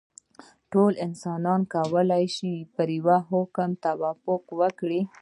ټول انسانان کولای شي پر یوه حکم توافق وکړي.